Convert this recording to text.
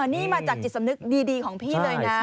นี่มาจากจิตสำนึกดีของพี่เลยนะ